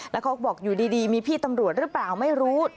แล้วเขาก็บอกอยู่ดีมีพี่ตำรวจหรือเปล่าไม่รู้